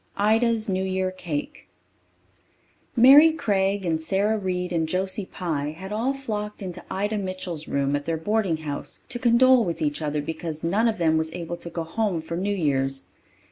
Ida's New Year Cake Mary Craig and Sara Reid and Josie Pye had all flocked into Ida Mitchell's room at their boarding house to condole with each other because none of them was able to go home for New Year's.